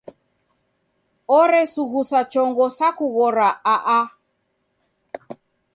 Oresughusa chongo sa kughora a-a.